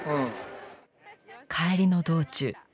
帰りの道中。